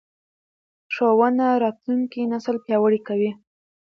ښوونه راتلونکی نسل پیاوړی کوي